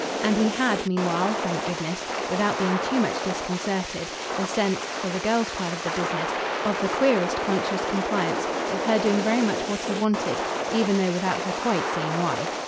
And he HAD meanwhile, thank goodness, without being too much disconcerted, the sense, for the girl's part of the business, of the queerest conscious compliance, of her doing very much what he wanted, even though without her quite seeing why.